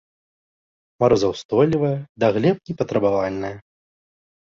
Марозаўстойлівая, да глеб не патрабавальная.